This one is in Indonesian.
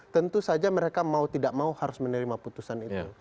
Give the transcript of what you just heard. tentu saja mereka mau tidak mau harus menerima putusan itu